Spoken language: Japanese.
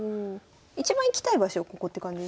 一番行きたい場所はここって感じですか？